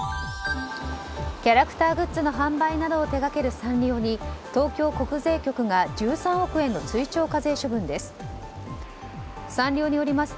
キャラクターグッズの販売などを手掛けるサンリオに東京国税局が１３億円の追徴課税処分です。